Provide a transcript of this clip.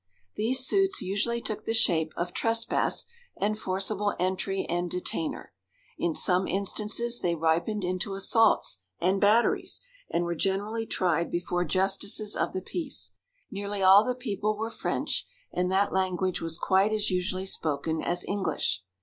These suits usually took the shape of trespass and forcible entry and detainer. In some instances they ripened into assaults and batteries, and were generally tried before justices of the peace. Nearly all the people were French, and that language was quite as usually spoken as English.